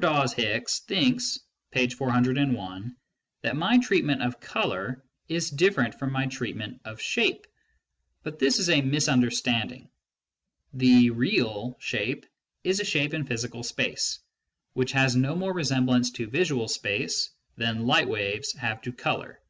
Dawes Hicks thinks (p. 401) that my treatment of colour is different from my treatment of shape, but this is a mis understanding. The " risal " shape is a shape in physical space, which has no more resemblance to visual space than light waves have to colour.